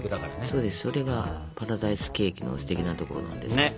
そうですそれがパラダイスケーキのすてきなところなんですよ。